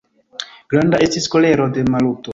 Granda estis kolero de Maluto.